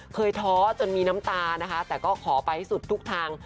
ท้อจนมีน้ำตานะคะแต่ก็ขอไปให้สุดทุกทาง